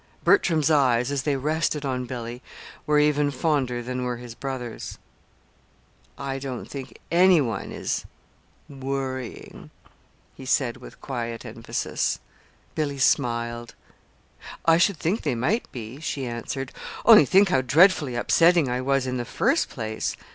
Bertram's eyes, as they rested on Billy, were even fonder than were his brother's. "I don't think any one is worrying," he said with quiet emphasis. Billy smiled. "I should think they might be," she answered. "Only think how dreadfully upsetting I was in the first place!"